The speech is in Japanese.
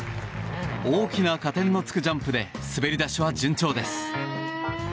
大きな加点の付くジャンプで滑り出しは順調です。